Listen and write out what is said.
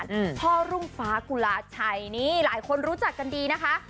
อืมพ่อรุ่งฟ้ากุลาชัยนี่หลายคนรู้จักกันดีนะคะ